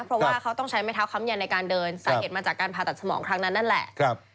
เพราะว่าเขาต้องใช้ไม้เท้าค้ำยันในการเดินสาเหตุมาจากการผ่าตัดสมองครั้งนั้นนั่นแหละ